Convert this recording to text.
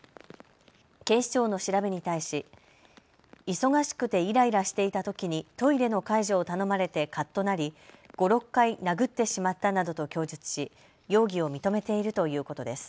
警視庁の調べに対し、忙しくていらいらしていたときにトイレの介助を頼まれてかっとなり５、６回殴ってしまったなどと供述し容疑を認めているということです。